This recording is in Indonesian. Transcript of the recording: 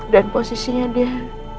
dan posisinya dia